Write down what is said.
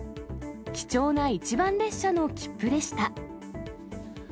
貴重な一番列車の切符でした。